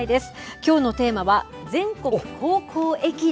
きょうのテーマは、全国高校駅伝。